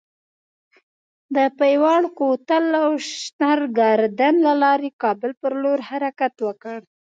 د پیواړ کوتل او شترګردن له لارې کابل پر لور حرکت وکړ.